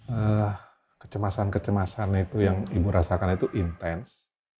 eee kecemasan kecemasan itu yang ibu rasakan itu intens